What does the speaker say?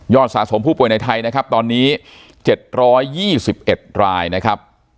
ยอดสะสมผู้ป่วยในไทยนะครับตอนนี้เจ็ดร้อยยี่สิบเอ็ดรายนะครับ